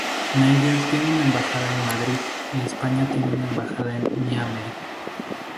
Níger tiene una embajada en Madrid y España tiene una embajada en Niamey.